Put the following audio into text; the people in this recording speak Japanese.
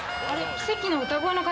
奇跡の歌声の方。